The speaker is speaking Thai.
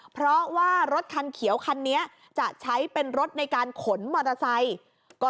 เพราะว่ารถคันเขียวคันนี้จะใช้เป็นรถในการขนมอเตอร์ไซค์